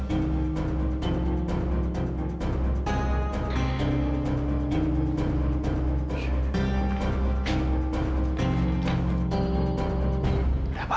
ada apaan sih aah di mana